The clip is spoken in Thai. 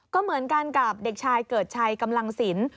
ก็เหมือนกันกับเด็กชายเกิดชัยกำลังสิน